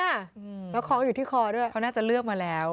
แล้วคล้องอยู่ที่คอด้วยเขาน่าจะเลือกมาแล้ว